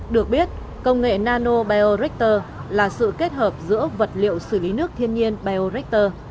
được biết công nghệ nano biorecter là sự kết hợp giữa vật liệu xử lý nước thiên nhiên biorecter